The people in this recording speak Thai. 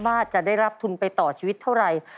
ว่าจะได้รับทุนไปต่อชีวิตเท่าไหร่